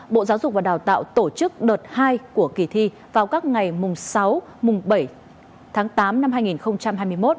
bộ giáo dục và đào tạo tổ chức đợt hai của ký thi vào các ngày sáu bảy tám hai nghìn hai mươi một